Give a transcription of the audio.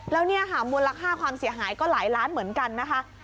แล้วเนี่ยค่ะมูลค่าความเสียหายก็หลายล้านเหมือนกันนะคะ